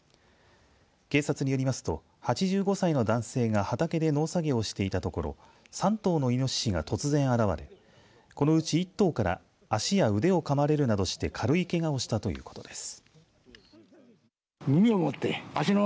警察によりますと８５歳の男性が畑で農作業をしていたところ３頭のいのししが突然現れこのうち１頭から足や腕をかまれるなどして軽いけがをしたということです。